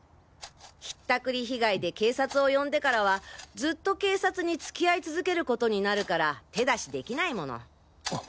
引ったくり被害で警察を呼んでからはずっと警察に付き合い続ける事になるから手出しできないもの。